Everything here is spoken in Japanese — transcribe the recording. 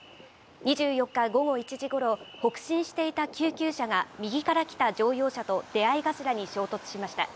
２４日午後１時ごろ、北進していた救急車が右から来た乗用車と、出会い頭に衝突しました。